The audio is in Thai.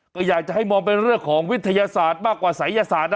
ก็อยากจะให้มองเป็นเรื่องของวิทยาศาสตร์มากกว่าศัยศาสตร์นะ